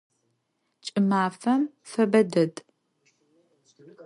Ç'ımafem febe ded.